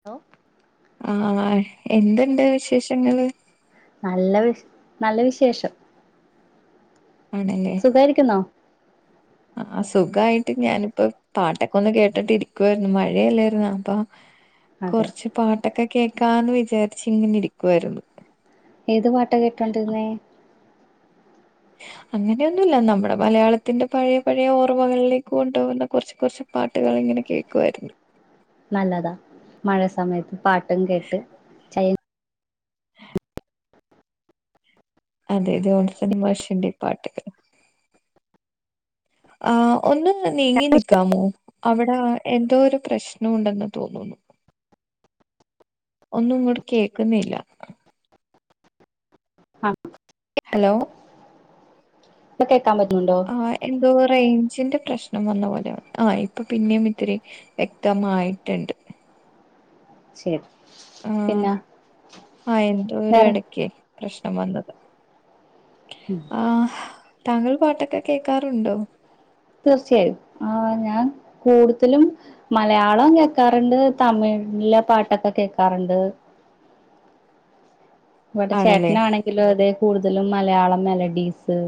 ന്ദോ ആഹ് എന്തുണ്ട് വിശേഷങ്ങള് നല്ല വിഷ് നല്ല വിശേഷം ആണല്ലേ സുഖായിരിക്കുന്നോ ആഹ് സുഖായിട്ട് ഞാനിപ്പോ പാട്ടൊക്കെ ഒന്ന് കേട്ടിട്ട് ഇരിക്കുവായിരിന്നു മഴ അല്ലെരുന്നോ അപ്പൊ അതെ കൊർച്ച് പാട്ടൊക്കെ കേൾക്കാന്ന് വെച് ചാര്ച്ചിങ്ങനിരിക്കുവായിരുന്നു ഏത് പാട്ടാ കേട്ടോണ്ടിരുന്നേ അങ്ങനെയൊന്നുല്ല നമ്മുടെ മലയാളത്തിന്റെ പഴയ പഴയ ഓർമ്മകളിലേക്ക് കൊണ്ടുപോകുന്ന കൊർച്ച് കൊർച്ച് പാട്ടുകൾ ഇങ്ങനെ കേക്കുവായിരുന്നു നല്ലതാ മഴ സമയത്ത് പാട്ടും കേട്ട് ചയേ അതെതെ ജോൺസൺ മാഷിന്റെ പാട്ടുകൾ ആ ഒന്നും നീങ്ങി നിക്കാമോ അവിട് ആ എന്തോ ഒരു പ്രശ്നം ഉണ്ടെന്ന് തോന്നുന്നു ഒന്നും ഇങ്ങോട്ട് കേക്കുന്നില്ല ആ ഹലോ [unintelligible] ആ എന്തോ പറയ് ജിന്റെ പ്രശ്നം വന്ന പോലെ ആ ഇപ്പൊ പിന്നേം ഇത്തിരി വ്യക്തം ആയിട്ട്ണ്ട് ശരി ആ പിന്നെ ആ എന്തോ ഒരു വേറെ ഇടക്കേ പ്രശ് നം വന്നതാ ഉം, ആ താങ്കൾ പാട്ടൊക്കെ കേക്കാറുണ്ടോ തീർച്ചയായും ആ ഞാൻ കൂടുതലും മലയാളം കേക്കാറുണ്ട് തമിഴിലെ പാട്ടൊക്കെ കേക്കാറുണ്ട് ഇവിടെ ആണല്ലേ ചേട്ടനാണെങ്കിലോ അതെ കൂടുതലും മലയാളം മെലഡീസ്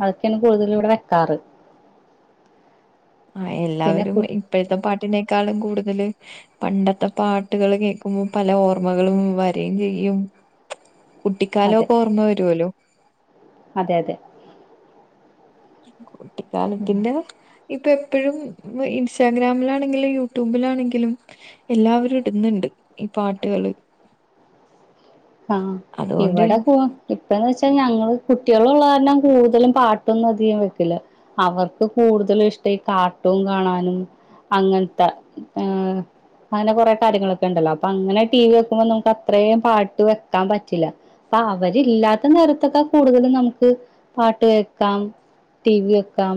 അതൊക്കെയാണ് കൂടുതലും ഇവിടെ വെക്കാറ് ആ പിന്നെ എല്ലാവരും കു ഇപ്പോഴത്തെ പാട്ടിനേക്കാളും കൂടുതല്- പണ്ടത്തെ പാട്ടുകൾ കേൾക്കുമ്പോൾ പല ഓർമ്മകളും വരയും ചെയ്യും അതെ കുട്ടിക്കാലമൊക്കെ ഓർമ്മ വരുവല്ലോ അതെ അതെ [inaudible] കുട്ടികാലത്തിന്റ - ഇപ്പ എപ്പോഴും ഇൻസ്റ്റാഗ്രാമിലാണെങ്കിലും യൂട്യൂബിലാണെങ്കിലും എല്ലാവരും ഇടുന്നുണ്ട് ഈ പാട്ടുകള് ആ അതുകൊണ്ട് ഇവിടെ പോ ഇപ്പന്ന് വെച്ചാ ഞങ്ങള് കുട്ടികളുള്ള കാരണം കൂടുതലും പാട്ടൊന്നും അധികം വെക്കില്ല അവർക്ക് കൂടുതലും ഇഷ്ടം ഈ കാർട്ടൂൺ കാണാനും അങ്ങനത്തെ ഏ അങ്ങനെ കുറെ കാര്യങ്ങളൊക്കെണ്ടല്ലോ അപ്പൊ അങ്ങനെ ടീവി വെക്കബൊ അത്രേം പാ പാട്ട് വെക്കാൻ പറ്റില്ല അപ്പൊ അവരില്ലാത്ത നേരത്തൊക്കെ കൂടുതലും നമുക്ക് പാട്ട് വെക്കാം ടി വി വെക്കാം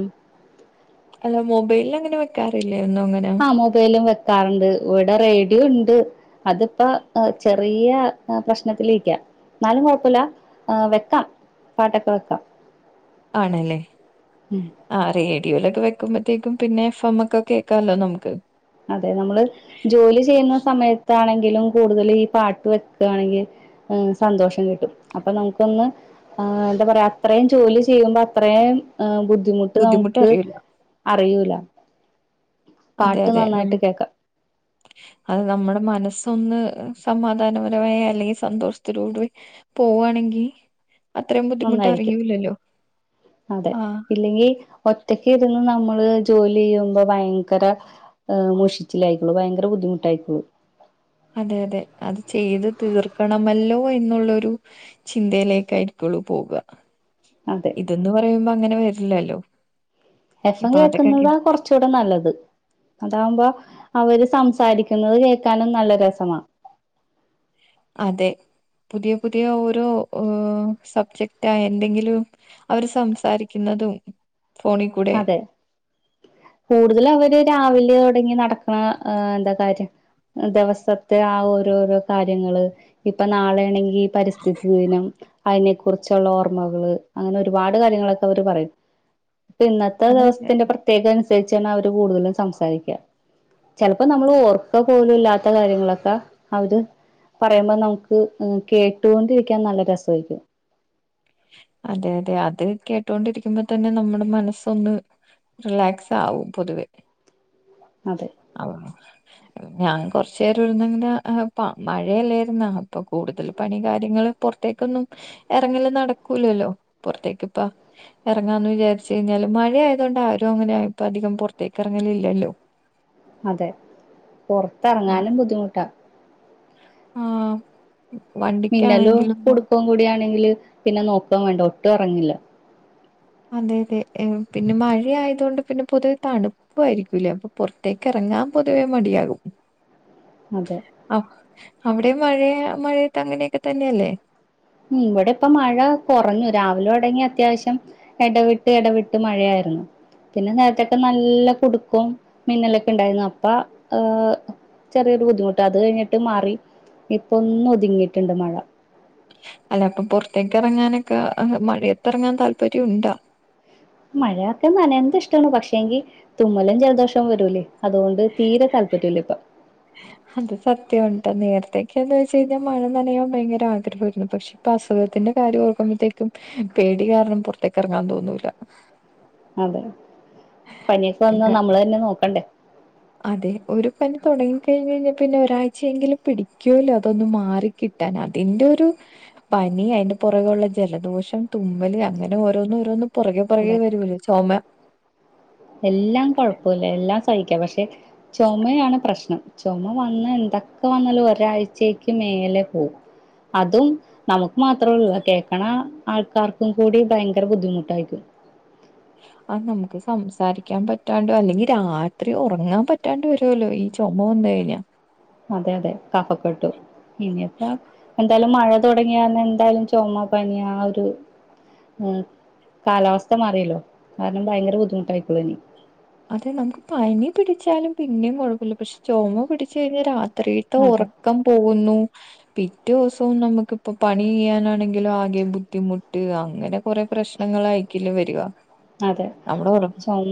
ലൊ മൊബൈലിൽ അങ്ങനെ വെക്കാറില്ല എന്നുങ്ങനെ ക്കാറുണ്ട് ഇവിടെ റേഡിയോണ്ട് അതിപ്പോ ചെറിയ പ്രശ്നത്തിലിരിക്കാ ന്നാലും കൊഴപ്പില്ല വെക്കാം പാട്ടൊക്കെ വെക്കാം ആണല്ലേ ഉം അറീം ലൊക്കെ വെക്കുമ്പോഴത്തേക്കും പിന്നെ എഫമ്മൊക്കെ കേക്കാലൊ നമുക്ക് അതെ നമ്മള് ജോലി ചെയ്യുന്ന സമയത്താണെങ്ക കൂടുതൽ ഈ പാട്ട് വെക്കാണെങ്കിൽ സന്തോഷം കിട്ടും അപ്പൊ നമുക്കൊന്ന് എന്താ പറയാ അത്രയും ജോലി ചെയ്യുമ്പോ അത്രയും ബു ബുദ്ധിമുട്ട് നമുക്ക് ബുദ്ധിമുട്ടറിയില്ല അറീയൂല അതെ അതെ അത് നമ്മുടെ മനസ്സ് സ് ഒന്ന് സമാധാന പരമായി അല്ലേൽസന്തോഷത്തിലൂടെ പോകാനകി നന്നായിരിക്കും അതേ ആ ഇല്ലകിൽ ഒറ്റക്കിരുന്നു നമ്മൾ ജോലി ചെയ്യുമ്പോള് ഭയങ്കര മുഷിച്ചിൽ ആയിരികോളും ഭയങ്കര ബുദ്ധി മുട്ടായിരിക്കും അതെ അതെ ചെയ്ത് തീർക്കണമല്ലോ എന്നുള്ളരൂ ചിന്ത യിലായിരിക്കും പോക അതെ ഇതെന്നു പറയുമ്പോൾ അങ്ങനെ വരില്ലല്ലോ ഈ എഫം പാട്ടൊക്കെ കേക്കുന്നതാ കൊറച്ചുകൂടെ നല്ലത് അതാവുമ്പോ അവര് സംസാരിക്കുന്നത് കേൾക്കാനും നല്ല രസമാ അതെ പുതിയ പുതിയ ഓരോ സബ്ജക്റ്റ് എന്തെങ്കിലും അവർ സംസാരിക്കുന്നതും ഫോണിൽ കൂടെ അതെ കൂടുതല അവര് രാവിലെ തുട നടക്കണ എന്താ കാര്യം ദിവസത്തെ ആ ഓരോരോ കാര്യങ്ങള് ഇപ്പൊ നാളെ ആണെങ്കി പരിസ്ഥിതി ദിനം അതിനെ കുുറിച്ചുള്ള ഓർമ്മകള് അങ്ങനെ ഒരുപാട് കാര്യങ്ങളൊക്കെ അവര് പറയും ഇപ്പൊ ഇന്നത്തെ അതൊക്കെ ദിവസത്തിന്റെ പ്രത്യേക ച്ചാണ് അവര് കൂടുതലും സംസാരിക്കുക ചിലപ്പോ നമ്മൾ ഓർക്ക പോലും ഇല്ലാത്ത കാര്യങ്ങളൊക്കെ അവര് പറയുമ്പോ നമുക്ക് കേട്ടുകൊണ്ടിരിക്കാൻ നല്ല രസയിരിക്കും അതെ അതെ അത് കേട്ടൊണ്ടിരിക്കുമ്പോ തന്നെ നമ്മുടെ മനസ്സൊന്ന് റിലാക്സ് ആകും പൊതുവെ അതെ അ ഞൻ കുറച്ചു നേരം ഇരുന്നങ്ങനെ മഴയല്ലായിരുന്നാ ഇപ്പൊ കൂടുതൽ പണി കാര്യങ്ങള് പുറത്തേക്കൊന്നു ഇറങ്ങല് നടക്കൂലല്ലോ പുറത്തേക്കിപ്പ ഇറങ്ങാന്ന് വിചാരിച്ച കഴിഞ്ഞാല് മഴ ആയത കൊണ്ട് ആരും അങ്ങനെ ഇപ്പ അധികം പുറത്തേക്ക് ഇറങ്ങലില്ലല്ലോ അതെ പുറത്തിറങ്ങാനും ബുദ്ധിമുട്ടാ ആ മിന്നലും കുടുക്കം കൂടിയാണ് ണെങ്കില് പിന്നെ നോക്കോ വേണ്ട ഒട്ടും ഒറങ്ങില്ല അതെ അതെ പിന്നെ മഴ ആയതൊണ്ട് പിന്നെ പൊതുവെ തണുപ്പായിരിക്കൂലേ അപ്പൊ പുൊറത്തേക്ക് ഇറങ്ങാൻ പൊതുവേ മടിയകും. അതെ അവിടെ മഴയ മഴത്ത് അങ്ങനെയൊക്കെ തന്നെയല്ലേ ഉ ഇവിടെ ഇപ്പ മഴ കുറഞ്ഞു രാവിലെ ഉടങ്ങി അത്യാവശ്യം എടവിട്ട് എടവിട്ട് മഴയായിരുന്നു. പിന്നെ നേരത്തൊക്കെ നല്ല കുടുക്കം മിന്നലൊക്കെ ഇണ്ടായിരുന്നു. അപ്പ ഏർ ചെറിയൊരു ബുദ്ധിമുട്ട് അത് കഴിഞ്ഞിട്ട് മാറി ഇപ്പ ഒന്ന ഒതുങ്ങിട്ടുണ്ട് മഴ. അല്ല അപ്പൊ പുറത്തേക്ക് ഇറങ്ങാനൊക്കെ മഴയത്ത് ഇറങ്ങാൻ താല്പര്യംണ്ടാ മഴയൊക്കെ നനയന്ത ഇഷ്ടമാണപക്ഷേെങ്കി തുമ്മലും ജലദോഷവും വരൂലേ അതുകൊണ്ട് തീരെ താല്പര്ംല്ല ഇപ്പ ഇവിടെയെക്കെന്ന്വെച്ച് കഴിഞ്ഞാൽ മഴ നനയാൻ ഭയങ്കര ആഗ്രഹമായിരുന്നു. പക്ഷെ ഇപ്പോ അസുഖത്തിന്റെ കാര്യ ഓർക്കുമ്പോഴത്തേക്കും പേടി കാരണം പുറത്തേക്ക് ഇറങ്ങാൻ തോന്നൂല്ല അതെ പനിയൊക്കെ വന്ന ക- നമ്മള് തന്നെ നോക്കണ്ടേ അതെ ഒരു പനി തുടങ്ങിക്കഴിഞ്ഞഞ് കഴിഞ്ഞാൽ പിന്നെ ഒരാഴ്ചയെങ്കിലും പിടിക്കുമല്ലോ അതൊന്നന്ന് മാറിക്കിട്ടാൻ. അതിന്റെ ഒരു പനി അതിന്റെ പുറകുള്ള ജലദോഷം തുമ്മല് അങ്ങനെ ഓരോന്നും ഓരോന്നും പുറകെ പുറകെ അതെ വരൂലേ ചൊമ എല്ലാം കുഴപ്പമില്ല എല്ലാം സഹിക്കാം പക്ഷെ ചുമയാണ് പ്രശ്നം ചുമ വന്ന് എന്തൊക്കെ വന്നാല ഒരാഴ്ചയ്ക്ക് മേലെ പോവും. അതും നമുക്ക് മാത്രേള്ളൂ കേൾക്കണ ആൾക്കാർക്കും കൂടി ഭയങ്കര ബുദ്ധിമുട്ടായിരിക്കും നമുക്ക് സംസാരിക്കാൻ പറ്റാതെ അല്ലെങ്കിൽ രാത്രി ഉറങ്ങാൻ പറ്റാതെ വരുമല്ലോ ഈ ചുമ വന്നു കഴിഞ്ഞാൽ അതെ അതെ കഫക്കെട്ടും പിന്നെപ്പോ മഴ തുടങ്ങി എന്തായാലും ചുമ പനി ആ ഒരു കാലാവസ്ഥ മാറിയല്ലോ അത് കാരണം ഭയങ്കര ബുദ്ധിമുട്ടായിക്കോളും ഇനി അതെ നമുക്ക് പനി പിടിച്ചാലും പിന്നെയും കുഴപ്പമില്ല പക്ഷേ ചുമ പിടിച്ചാൽ രാത്രിയിതെ അതെ ഉറക്കം പോകുന്നു പിറ്റേദിവസം നമുക്ക് പണി ചെയ്യാനാണെങ്കിലും ആകെ ബുദ്ധിമുട്ട് അങ്ങനെ കുറെ പ്രശ്നങ്ങളായിക്ക വരിക അതെ നമ്മുടെ ഉറ ചൊമ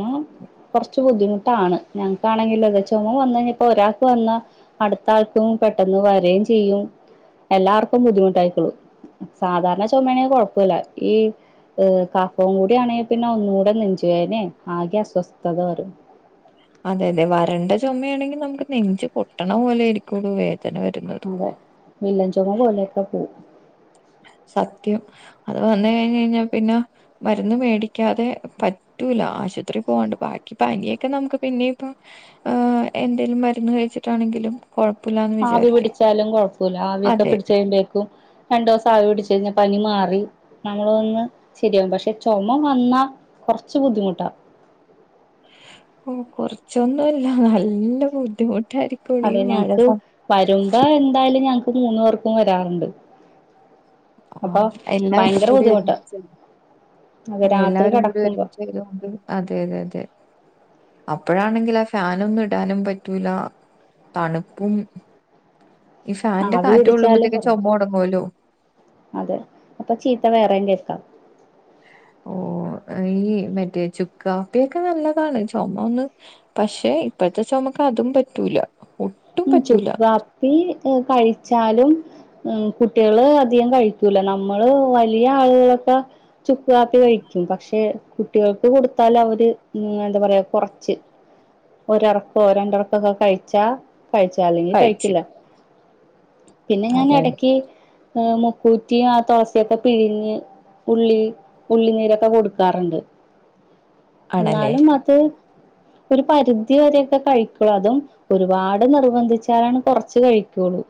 കുറച്ചു ബുദ്ധിമുട്ടാണ് ഞങ്ങൾക്കാണെങ്കിൽ ചുമ വന്നു കഴിഞ്ഞാൽ ഇപ്പോൾ ഒരാൾക്ക് വന്നാൽ അടുത്ത ആൾക്ക് പെട്ടെന്ന് വരികയും ചെയ്യും എല്ലാവർക്കും ബുദ്ധിമുട്ടായിക്കോളും സാധാരണ ചുമയാണെങ്കിൽ കുഴപ്പമില്ല ഈ കഫം കൂടി ആണെങ്കിൽ പിന്നെ ഒന്നും കൂടെ നെഞ്ച് വേദനയും ആകെ അസ്വസ്ഥതവരും അതെ അതെ വരണ്ട ചുമ യാണെങ്കിൽ നമുക്ക് നെഞ്ച് പൊട്ടണ പോലെ ആയിരിക്കും വേദ അതെ വില്ലൻ ചുമ [unintelligible] സത്യം അത് വന്നു കഴിഞ്ഞു കഴിഞ്ഞാൽ പിന്നെ മരുന്നു മേടിക്കാതെ പറ്റൂല ആശുപത്രിയിൽ പോവാതെ നമുക്ക് പനിയൊക്കെ പിന്നെയും എന്തേലും മരുന്ന് കഴിച്ചിട്ട് ആണെങ്കിലും ആവി പിടിച്ചാലും കുഴപ്പമില്ല ആവി ഒക്കെ അതെ പിടിച്ചു കഴിയുമ്പോഴേക്കും രണ്ടു ദിവസം ആവി പിടിച്ചു കഴിഞ്ഞാൽ പനി മാറി നമ്മൾ ഒന്ന് ശരിയാവും പക്ഷേ ചുമ വന്നാൽ കുറച്ചു ബുദ്ധിമുട്ടാ ഓ കുറച്ചൊന്നുമല്ല നല്ല ബുദ്ധിമുട്ട് അതെ ഞങ്ങൾക്ക് വരുമ്പോൾ എന്തായാലും ഞ മൂന്നുപേർക്കും വരാറുണ്ട് ആ അപ്പൊ എല്ലാവർക്കും ഭയങ്കര കൂടി ബുദ്ധിമുട്ടാ ഒരുമിച്ച് അത് രാത്രി എല്ലാവർക്കും കിടക്കുമ്പോ ഒരുമിച്ച് വരാറ് അതെ അതെ അപ്പോഴാണ് ഫാന് ഒന്നുംഇടാനും പറ്റൂല്ല തണുപ്പും ഈ ഫാന്റെ ആവി കാറ്റ് പിടിച്ചാലും കൊള്ളുമ്പത്തേക്ക് ചൊമ കുറയും തൊടങ്ങുവല്ലോ അതെ അപ്പോൾ ചീത്ത വേറെയും കേൾക്കാം ഓ ഈ മറ്റേ ചുക്കാപ്പി ഒക്കെ നല്ലതാണ് ചുമ ഒന്ന് പക്ഷേ ഇപ്പത്തെ ചുമക്ക് അതും പറ്റില്ല ഈ ചുക്കാപ്പി കഴിച്ചാലും കുട്ടികള് അധികം കഴിക്കില്ല നമ്മൾ വലിയ ആളുകളൊക്കെ ചുക്കുകാപ്പികഴിക്കും പക്ഷേ കുട്ടികൾക്ക് കൊടുത്താൽ അവർ കുറച്ച് ഒരറക്കൊ രണ്ടറക്കൊങ്ങ് കഴിച്ചാ കഴിച്ചാല്ലെങ്കി കഴിച്ച് കഴിക്കില്ല പിന്നെ ഞാൻ അതെ അതെ എടക്ക് ആ മുക്കുറ്റി തൊളസി ഒക്കെ പിഴിഞ്ഞ് ഉള്ളി ഉള്ളിനീരൊക്കെ കൊടുക്കാറുണ്ട് ആണല്ലേ എന്നാലും അത് ഒരു പരിധി വരെയൊക്കെ കൈക്കൊള്ളൂ അതും ഒരുപാട് നിർബന്ധിച്ചാലാണ് കൊറച്ചു കൈക്കൊള്ളൂ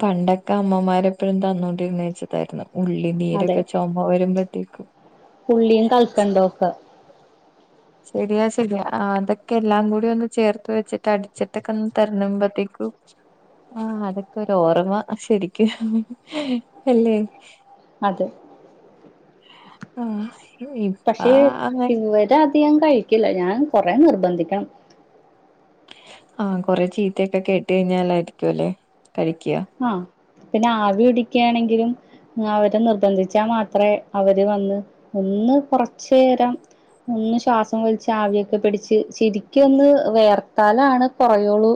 പണ്ടൊക്കെ അമ്മമാർ എപ്പോഴും തന്നോണ്ടിരുന്നതാ ഇച്ച് തരുന്നത് അതെ ഉള്ളിനീരൊക്കെ ചൊമ വരുമ്പഴത്തേക്കും ഉള്ളിയും കൽക്കണ്ടോക്കെ ശരിയാ ശരിയാ അതൊക്കെ എല്ലാം കൂടി ഒന്ന് ചേർത്തുവച്ച് അടിച്ചിട്ട് തരുമ്പോഴേക്കും ആ അതൊക്കെ ഒരു ഓർമ്മ ശരിക്കും അല്ലേ അതെ ആ ഇപ്പ പക്ഷേ അങ്ങനെ [unintelligible] അധികം കഴിക്കില്ല ഞാൻ കൊറെ നിർബന്ധിക്കണം ആ കുറേ ചീത്തയൊക്കെ കേട്ട് കഴിഞ്ഞാൽ ആയിരിക്കുല്ലേ കഴിക്കാ ആഹ് പിന്നെ ആവി പിടിക്കാണെങ്കിലും അവരെ നിർബന്ധിച്ചാൽ മാത്രേ അവര് വന്ന് ഒന്നു കൊറച്ചേരം നിന്ന് ശ്വാസം വലിച്ച് ആവിയൊക്കെ പിടിച്ച് ശരിക്കും ഒന്നു വെയർത്താലാണ് കൊറയുള്ളൂ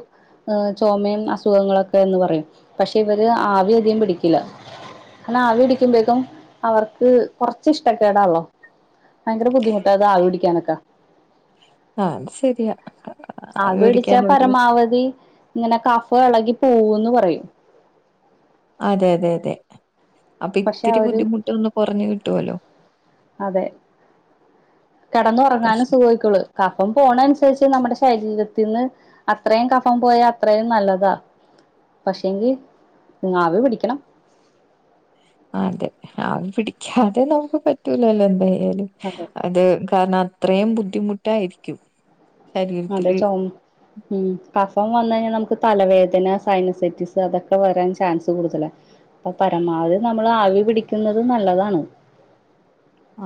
ചൊമയും അസുഖങ്ങളൊക്ക ന്ന് പറയും പക്ഷേ ഇവര് ആവി അധികം പിടിക്കില്ലഎന്നാൽ ആവി പിടിക്കുമ്പോഴേക്കുംഅവർക്ക് കൊറച്ച് ഇഷ്ടക്കേടാണല്ലോ ഭയങ്കര ബുദ്ധിമുട്ടാണ് ആവി പിടിക്കാൻ ഒക്കെ ആ അത് ശരിയാ ആവി പിടിച്ചാൽ മേടിക്കാനൊരു പരമാവധി ഇങ്ങനെ കഫം എളകി പോവൂന്ന് പറയും അതെ അതെ അതെ അപ്പൊ പക്ഷേ ഇത്തിരി അവര് ബുദ്ധിമുട്ട് ഒന്ന് കുറഞ്ഞു കിട്ടുവല്ലോ അതെ കെടന്ന് ഒറങ്ങാനും പക്ഷെ [unintelligible] കഫം പോണനുസരിച്ച് നമ്മടെ ശരീരത്തിന്ന് അത്രയും കഫം പോയാ അത്രയും നല്ലതാ പക്ഷേങ്കി ആവി പിടിക്കണം. അതെ ആവി പിടിക്കാതെ നമുക്ക് പറ്റൂലല്ലോ എന്തേ [unintelligible] അതെ അത് കാറിനാത്ത അത്രയും ബുദ്ധിമുട്ടായിരിക്കും അതെ ശരീരത്തില് ചോമ് ഉം കഫ കഫം വന്ന് കഴിഞ്ഞാ നമുക്ക് തലവേദന സൈനി സെസ്റ്റിക്സ് അതൊക്കെ വരാൻ ചാൻസ് കൂടുതലാ അപ്പ പരമാവധി നമ്മള് ആവി പിടിക്കുന്നത് നല്ലതാണ്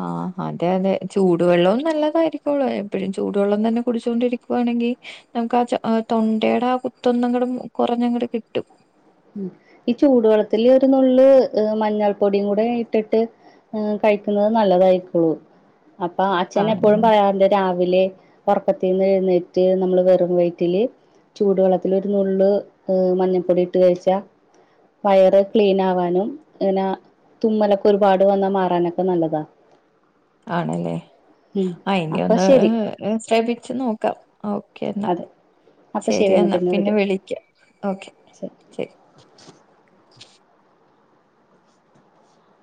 ആ അതെ അതെ ചൂടുവെള്ളവും നല്ലതായിരിക്കുള്ളു എപ്പഴും ചൂട് വെള്ളം തന്നെ കുടിച്ചു കൊണ്ടിരിക്കുവാണെങ്കി നമുക്ക് ആ ച ആ തൊണ്ടയുടെ ആ കുത്ത് ഒന്നങ്ങട് കൊറഞ്ഞങ്ങട് കിട്ടും. ഉം ഈ ചൂടുവെള്ളത്തില് ഒരു നുള്ള് മഞ്ഞൾ പൊടിയും കൂടെ ഇട്ടിട്ട് ഏ കഴിക്കുന്നത് നല്ലതായിരിക്കുള്ളു അപ്പ അച്ഛനെപ്പോഴും ആണല്ലേ പറയാറുണ്ട് രാവിലെ ഒറക്കത്തിൽ നിന്ന് എഴുന്നേറ്റ് നമ്മള് വെറും വയറ്റില് ചൂടുവെള്ളത്തില് ഒരു നുള്ള് മഞ്ഞപ്പൊടി ട്ട് വെച്ചാ വയറ് ക്ലീനാവാനും ഇന തുമ്മനൊക്കെ ഒരുപാട് വന്ന മാറാനൊക്കെ നല്ലതാ ആണല്ലേ ഉം ആ ഇനി അപ്പൊ ഒന്ന് ശരി ഏ ശ്രമിച്ച് നോക്കാം ഒ ക്കെന്നാ അതെ ശരി എന്നാ പിന്നെ വിളിക്കാം ഓക്കേ ശരി